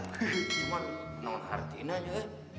cuman nong artiin aja ya